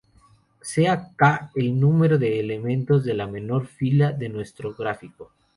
Sea "k" el número de elementos de la menor fila de nuestro gráfico.